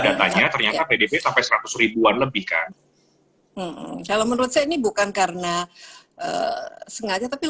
datanya ternyata pdb sampai seratus ribuan lebih kan kalau menurut saya ini bukan karena sengaja tapi